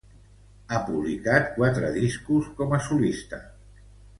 Ha publicat quatre discos com a solista.